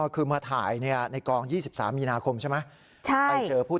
คือมาถ่ายในกอง๒๓มีนาคมใช่ไหม